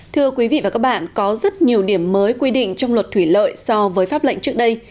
thưa quý vị và các bạn có rất nhiều điểm mới quy định trong luật thủy lợi so với pháp lệnh trước đây